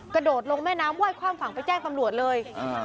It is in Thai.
กระโดดลงแม่น้ำไว้ความฝังไปแจ้งกำลัวเลยอ่า